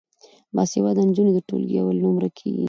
باسواده نجونې د ټولګي اول نمره کیږي.